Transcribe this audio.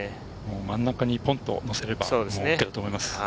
真ん中にポンとのっければいけると思います。